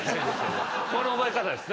この覚え方です。